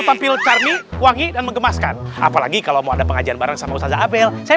tampil karmi wangi dan mengemaskan apalagi kalau mau ada pengajian bareng sama ustaza abel saya